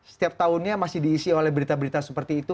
setiap tahunnya masih diisi oleh berita berita seperti itu